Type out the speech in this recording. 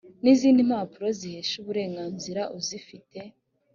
n izindi mpapuro zihesha uburenganzira uzifite